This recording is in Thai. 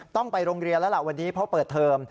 ต้องไปโรงเรียนแล้วล่ะวันนี้เพราะเปิดเทอม